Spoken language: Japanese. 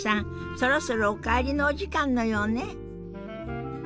そろそろお帰りのお時間のようね。